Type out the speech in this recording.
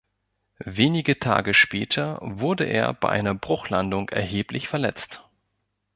Wenige Tage später wurde er bei einer Bruchlandung erheblich verletzt.